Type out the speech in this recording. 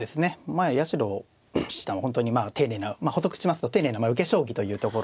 まあ八代七段は本当に丁寧な補足しますと丁寧な受け将棋というところなんですけれどもね